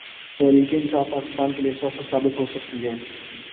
تحریک انصاف پاکستان کے لیے اثاثہ ثابت ہو سکتی ہے۔